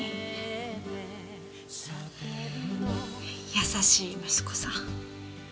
優しい息子さん。